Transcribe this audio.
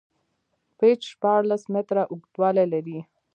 پېچ شپاړس میتره اوږدوالی لري.